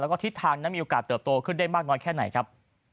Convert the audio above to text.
แล้วก็ทิศทางนั้นมีโอกาสเติบโตขึ้นได้มากน้อยแค่ไหนครับ